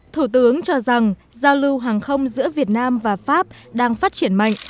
thủ tướng cho rằng giao lưu hàng không giữa việt nam và pháp đang phát triển mạnh